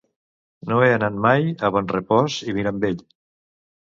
No he anat mai a Bonrepòs i Mirambell.